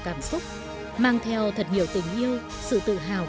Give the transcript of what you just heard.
trong giới nhiếp ảnh việt nam